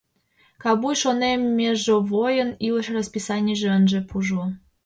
Кабуй, шонем, межовойын илыш раписанийже ынже пужло.